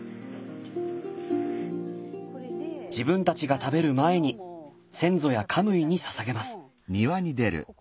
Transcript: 自分たちが食べる前に先祖やカムイにささげます。